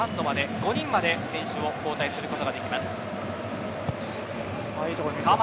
５人まで選手を交代することができます。